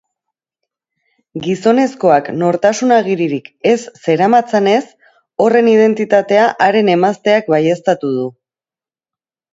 Gizonezkoak nortasun agiririk ez zeramatzanez, horren identitatea haren emazteak baieztatu du.